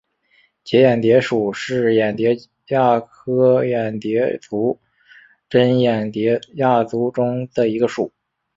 结眼蝶属是眼蝶亚科眼蝶族珍眼蝶亚族中的一个属。